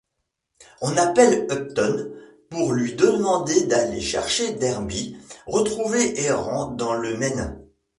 On appelle Upton pour lui demander d’aller chercher Derby, retrouvé errant dans le Maine.